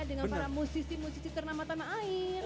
dengan para musisi musisi ternama tanah air